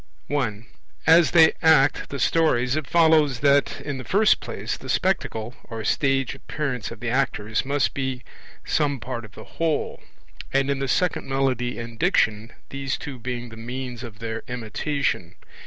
I. As they act the stories, it follows that in the first place the Spectacle (or stage appearance of the actors) must be some part of the whole; and in the second Melody and Diction, these two being the means of their imitation.